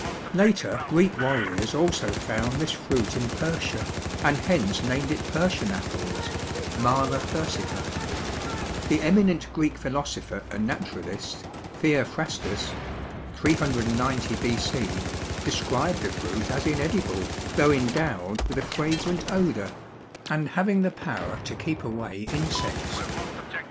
Later, Greek warriors also found this fruit in Persia, and hence named it Persian apples (Mala persica). The eminent Greek philosopher and naturalist Theophrastus, 390 B. C., described the fruit as inedible, though endowed with a fragrant odor, and having the power to keep away insects.